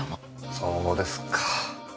そうですか。